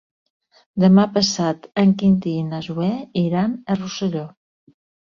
Demà passat en Quintí i na Zoè iran a Rosselló.